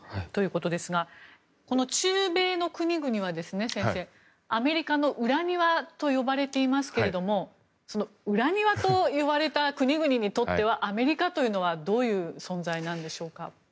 この中米の国はアメリカの裏庭と呼ばれていますがその裏庭と呼ばれた国々にとってはアメリカというのはどういう存在なのでしょうか。